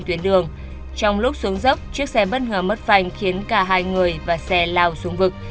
trong lúc xuống dốc chiếc xe bất ngờ mất vành khiến cả hai người và xe lao xuống vực